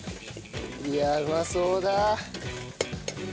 いやあうまそうだ。